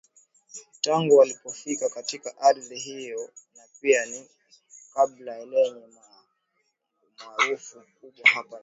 tangu walipofika katika ardhi hiyo na pia ni kablia lenye umaarufu mkubwa hapa nchini